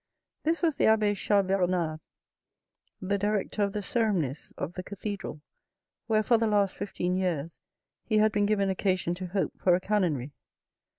This was the abbe Chas Bernard, the director of the ceremonies of the cathedral, where, for the last fifteen years, he had been given occasion to hope for a canonry.